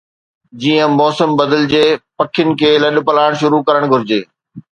جيئن موسم بدلجي، پکين کي لڏپلاڻ شروع ڪرڻ گهرجي